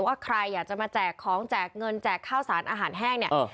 ว่าใครอยากจะมาแจกของแจกเงินแจกข้าวสารอาหารแห้งเนี่ย